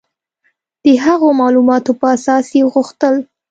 د هغو معلوماتو په اساس یې غوښتل.